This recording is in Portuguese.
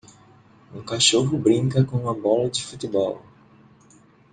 Um cachorro brinca com uma bola de futebol